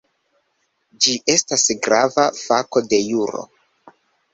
Ĝi estas grava fako de juro.